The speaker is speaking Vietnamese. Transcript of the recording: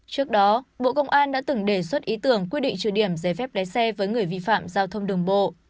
trước đó bộ công an đã từng đề xuất ý tưởng quyết định trừ điểm giấy phép lái xe với người vi phạm giao thông đường bộ